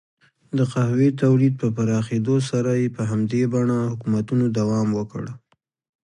د قهوې تولید په پراخېدو سره یې په همدې بڼه حکومتونو دوام وکړ.